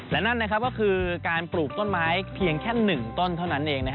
และนั่นก็คือการปลูกต้นไม้เพียงแค่๑ต้นเท่านั้นเอง